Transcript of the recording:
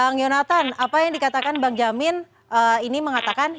bang yonatan apa yang dikatakan bang jamin ini mengatakan